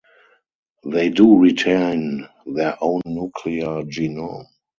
They do retain their own nuclear genome.